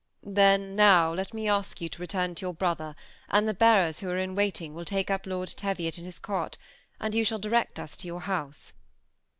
" Then now let me ask you to return (o your brother, and the bearers who are in waiting will take up Lord Teviot in his cot, and you shall direct us to yonr iiouae."